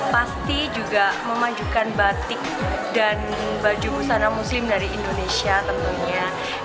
pasti juga memajukan batik dan baju busana muslim dari indonesia tentunya